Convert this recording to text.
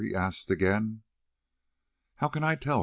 he asked again. "How can I tell?"